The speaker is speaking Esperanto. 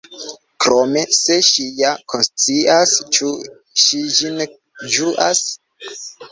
Krome, se ŝi ja konscias, ĉu ŝi ĝin ĝuas?